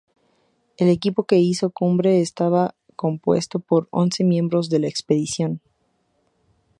El equipo que hizo cumbre estaba compuesto por once miembros de la expedición.